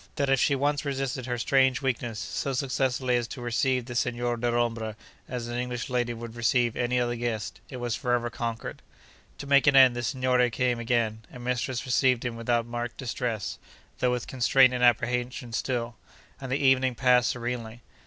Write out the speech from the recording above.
That if she once resisted her strange weakness, so successfully as to receive the Signor Dellombra as an English lady would receive any other guest, it was for ever conquered. To make an end, the signore came again, and mistress received him without marked distress (though with constraint and apprehension still), and the evening passed serenely.